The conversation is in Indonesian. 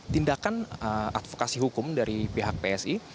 tindakan advokasi hukum dari pihak psi